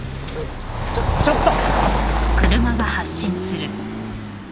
ちょっちょっと！